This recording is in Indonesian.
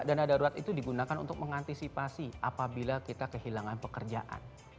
dana darurat itu digunakan untuk mengantisipasi apabila kita kehilangan pekerjaan